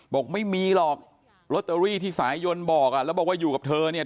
บอกไม่มีหรอกลอตเตอรี่ที่สายยนบอกอ่ะแล้วบอกว่าอยู่กับเธอเนี่ย